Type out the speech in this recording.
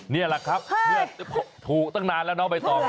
เนี่ยล่ะครับถูกตั้งนานแล้วเนาะใบตอง